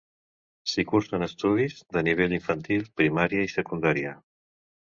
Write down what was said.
S'hi cursen estudis de nivell Infantil, Primària i Secundària.